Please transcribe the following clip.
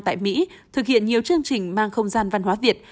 tại mỹ thực hiện nhiều chương trình mang không gian văn hóa việt